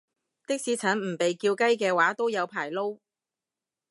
的士陳唔被叫雞嘅話都有排撈